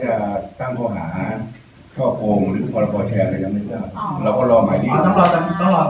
ว่าเราก็แชร์จริงว่าเราก็แชร์หนูยอมรับครับแต่ไม่ได้ชอบ